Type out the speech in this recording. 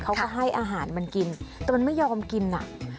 เขาก็ให้อาหารมันกินแต่มันไม่ยอมกินน่ะ